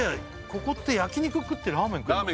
ここって焼き肉食ってラーメン食えんの？